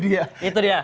nah itu dia